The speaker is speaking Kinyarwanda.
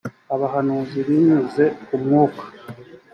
abahanuzi binyuze ku mwuka